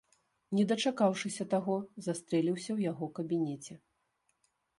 Не дачакаўшыся таго, застрэліўся ў яго кабінеце.